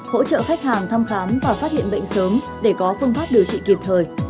hỗ trợ khách hàng thăm khám và phát hiện bệnh sớm để có phương pháp điều trị kịp thời